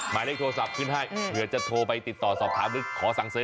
หมายเลขโทรศัพท์ขึ้นให้เผื่อจะโทรไปติดต่อสอบถามหรือขอสั่งซื้อ